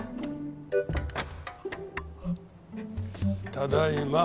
ただいま。